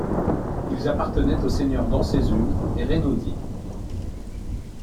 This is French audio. Ils appartenaient aux seigneurs d’Ancezune et Reynaudi.